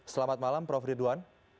selamat malam prof ridwan